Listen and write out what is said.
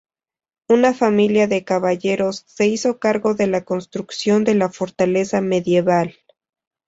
Una familia de caballeros se hizo cargo de la construcción de la fortaleza medieval.